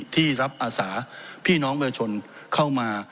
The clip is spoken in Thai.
ที่รับอาสาพี่น้องประชาชนเข้ามา